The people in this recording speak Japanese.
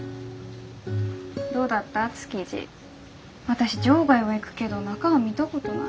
私場外は行くけど中は見たことない。